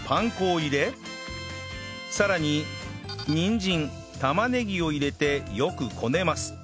さらににんじん玉ねぎを入れてよくこねます